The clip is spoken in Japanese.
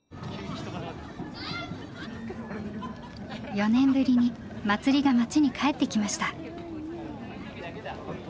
４年ぶりに祭りが町に帰ってきました。